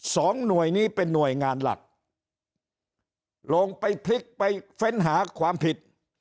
สองหน่วยนี้เป็นหน่วยงานหลักลงไปพลิกไปเฟ้นหาความผิด